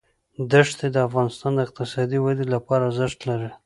دښتې د افغانستان د اقتصادي ودې لپاره ارزښت لري.